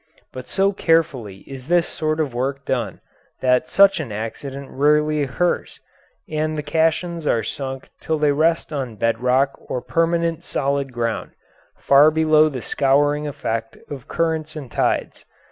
But so carefully is this sort of work done that such an accident rarely occurs, and the caissons are sunk till they rest on bed rock or permanent, solid ground, far below the scouring effect of currents and tides.